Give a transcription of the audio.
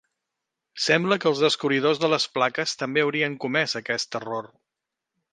Sembla que els descobridors de les plaques també haurien comés aquest error.